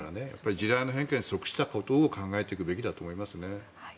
時代の変化に即したことを考えていくべきだと思います。